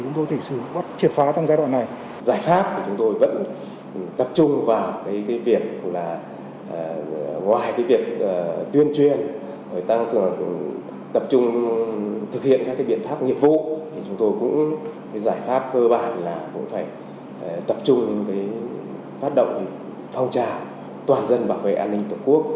chúng tôi cũng giải pháp cơ bản là tập trung phát động phòng trào toàn dân bảo vệ an ninh tổ quốc